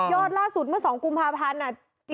ยอดล่าสุดเมื่อสองกุมภาพันธุ์อ่ะ